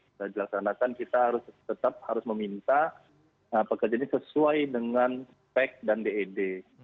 sudah dilaksanakan kita harus tetap harus meminta pekerja ini sesuai dengan pek dan ded